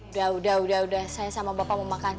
udah udah udah udah saya sama bapak mau makan